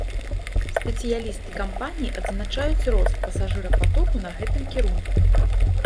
Спецыялісты кампаніі адзначаюць рост пасажырапатоку на гэтым кірунку.